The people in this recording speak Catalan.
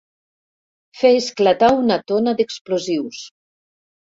Fer esclatar una tona d'explosius.